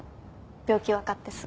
病気分かってすぐ。